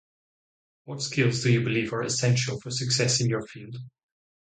What skills do you believe are essential for success in your field?